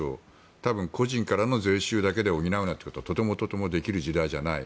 多分、個人だけの税収で補うのはとてもとてもできる時代じゃない。